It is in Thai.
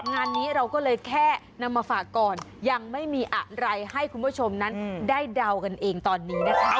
งานนี้เราก็เลยแค่นำมาฝากก่อนยังไม่มีอะไรให้คุณผู้ชมนั้นได้เดากันเองตอนนี้นะคะ